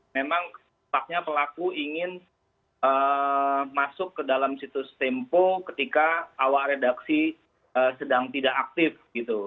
memang taknya pelaku ingin masuk ke dalam situs tempo ketika awal redaksi sedang tidak aktif gitu